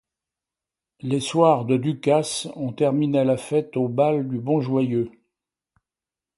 Les soirs de ducasse, on terminait la fête au bal du Bon-Joyeux.